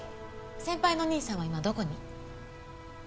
先輩のお兄さんは今どこに？